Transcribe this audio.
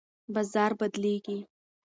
بازار بدلیږي.